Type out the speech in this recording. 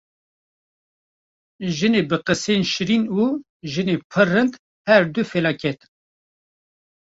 Jinê bi qisên şîrîn û jinê pir rind her du felaket in.